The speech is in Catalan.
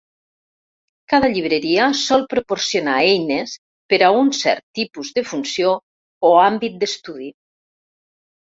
Cada llibreria sol proporcionar eines per a un cert tipus de funció o àmbit d'estudi.